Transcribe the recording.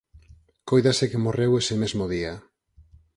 Cóidase que morreu ese mesmo día.